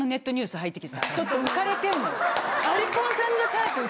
ちょっと浮かれてんのよ。